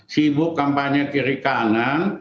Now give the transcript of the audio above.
sibuk kampanye kiri kanan